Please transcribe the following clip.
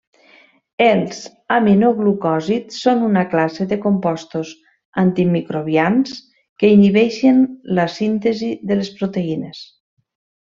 Els aminoglucòsids són una classe de compostos antimicrobians que inhibeixen la síntesi de les proteïnes.